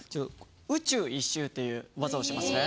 宇宙一周という技をしますね。